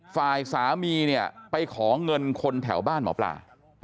ฝ่ายสามีเนี่ยไปขอเงินคนแถวบ้านหมอปลา